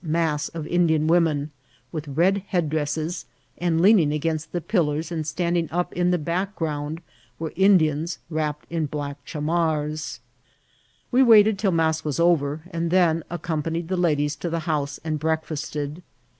Ml mass of Indian women, with red headdresfles ; and lean ing against the pillan, and standing up in the back gronndy were Indians wrapped in black ohamars. We Waited till mass was over, and then accompanied the ladies to the house and breakfiasted.